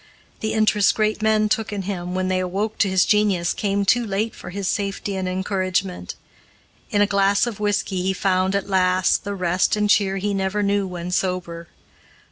The interest great men took in him, when they awoke to his genius, came too late for his safety and encouragement. In a glass of whisky he found, at last, the rest and cheer he never knew when sober.